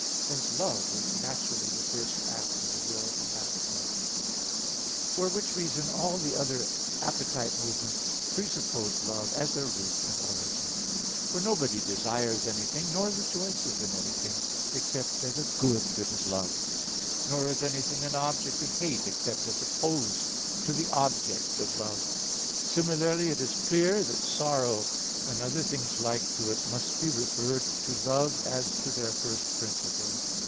Hence love is naturally the first act of the will and appetite; for which reason all the other appetite movements presuppose love, as their root and origin. For nobody desires anything nor rejoices in anything, except as a good that is loved: nor is anything an object of hate except as opposed to the object of love. Similarly, it is clear that sorrow, and other things like to it, must be referred to love as to their first principle.